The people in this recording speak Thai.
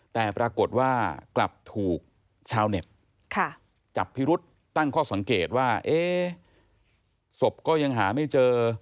แต่ปรากฏว่ากลับถูกชาวเน็ตจับพิรุษตั้งข้อสังเกตว่าศพก็ยังหาไม่เจอ